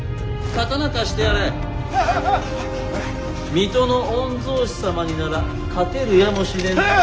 水戸の御曹司様になら勝てるやもしれぬぞ。